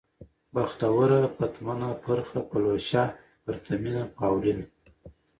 بختوره ، پتمنه ، پرخه ، پلوشه ، پرتمينه ، پاولينه